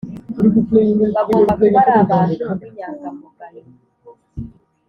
Bagomba kuba ari abantu b inyangamugayo